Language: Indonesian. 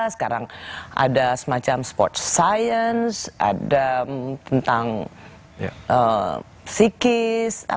sekarang ada semacam sports science ada tentang psikis